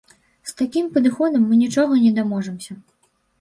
З такім падыходам мы нічога не даможамся.